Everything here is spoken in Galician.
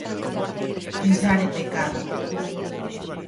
Pensar é pecado.